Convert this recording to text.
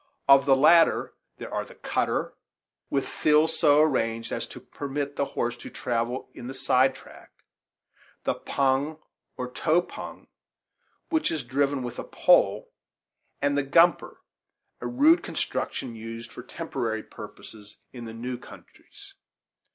Of the latter, there are the cutter, with thills so arranged as to permit the horse to travel in the side track; the "pung," or "tow pung" which is driven with a pole; and the "gumper," a rude construction used for temporary purposes in the new countries.